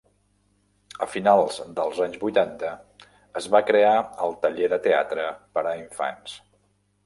A finals dels anys vuitanta es va crear el Taller de Teatre per a infants.